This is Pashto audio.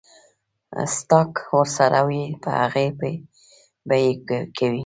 سټاک ورسره وي پۀ هغې به يې کوي ـ